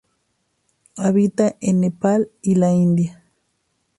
Habita en Nepal y la India.